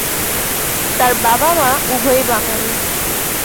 তাঁর বাবা মা উভয়েই বাঙালি।